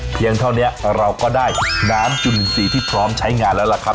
เท่านี้เราก็ได้น้ำจุนทรีย์ที่พร้อมใช้งานแล้วล่ะครับ